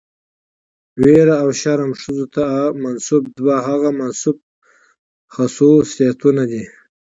ويره او شرم ښځو ته منسوب دوه هغه منسوب خصوصيتونه دي،